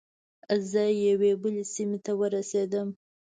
زه یوې بلې سیمې ته ورسیدم.